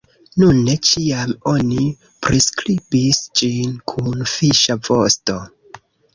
Nune, ĉiam oni priskribis ĝin kun fiŝa vosto.